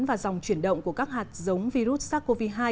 và dòng chuyển động của các hạt giống virus sars cov hai